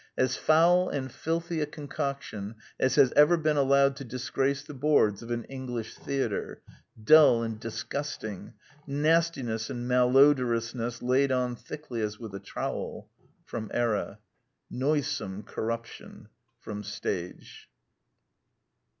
"As foul and filthy a concoction as has ever been allowed to disgrace the boards df an English theatre. ... Dull and disgusting. ... Nastiness and malodorousness laid on thickly as with a trowel." Era. " Noi some corruption." Stage.